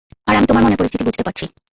আর আমি তোমার মনের পরিস্থিতি বুঝতে পারছি।